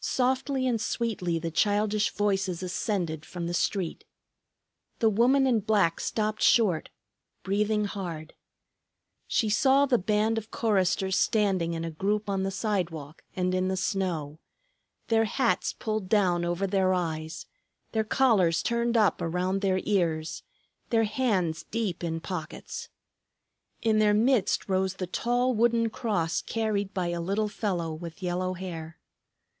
Softly and sweetly the childish voices ascended from the street. The woman in black stopped short, breathing hard. She saw the band of choristers standing in a group on the sidewalk and in the snow, their hats pulled down over their eyes, their collars turned up around their ears, their hands deep in pockets. In their midst rose the tall wooden cross carried by a little fellow with yellow hair.